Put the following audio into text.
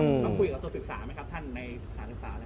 ต้องคุยกับตัวศึกษาไหมครับท่านในศึกษาอะไรครับ